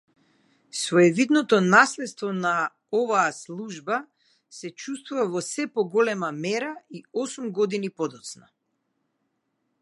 Своевидното наследствона овој служба се чувствува во сѐ поголема мера и осум години подоцна.